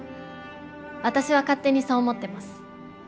私は勝手にそう思ってます。